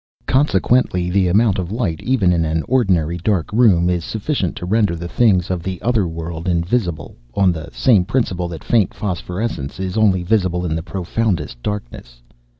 Consequently, the amount of light, even in an ordinary dark room, is sufficient to render the things of the Other World invisible, on the same principle that faint phosphorescence is only visible in the profoundest darkness.